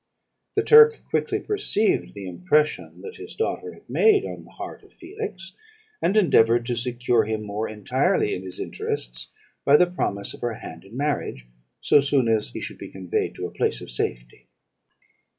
"The Turk quickly perceived the impression that his daughter had made on the heart of Felix, and endeavoured to secure him more entirely in his interests by the promise of her hand in marriage, so soon as he should be conveyed to a place of safety.